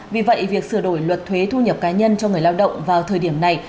vì vậy việc sửa đổi luật thuế thu nhập cá nhân cho người lao động vào thời điểm này